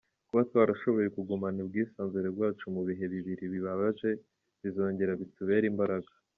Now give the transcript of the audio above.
Kuba twarashoboye kugumana ubwisanzure bwacu mu bihe bibiri bibabaje bizongera bitubere imbaraga.